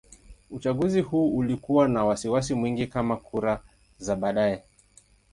Uchaguzi huu ulikuwa na wasiwasi mwingi kama kura za baadaye.